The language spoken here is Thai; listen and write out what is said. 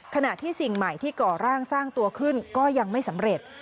ขณะที่สิ่งใหม่ที่ก่อร่างสร้างตัวขึ้นก็ยังไม่สำเร็จ